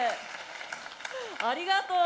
ありがとう。